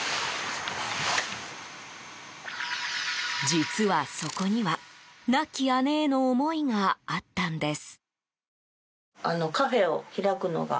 実は、そこには亡き姉への思いがあったんです。